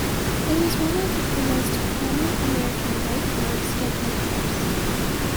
It was one of the most prominent American white power skinhead groups.